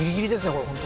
これ本当